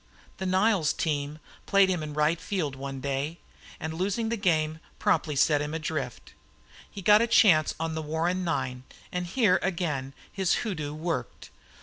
The Niles team played him in right field one day, and, losing the game, promptly set him adrift. He got a chance on the Warren nine and here again his hoodoo worked.